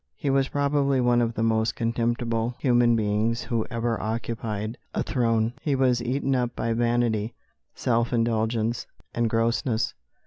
He was probably one of the most contemptible human beings who ever occupied a throne; he was eaten up by vanity, self indulgence, and grossness.